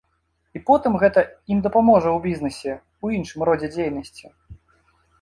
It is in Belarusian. І потым гэта ім дапаможа ў бізнэсе, у іншым родзе дзейнасці.